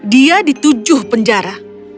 dia di tujuh penjara